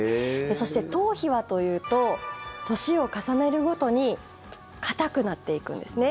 そして、頭皮はというと年を重ねるごとに硬くなっていくんですね。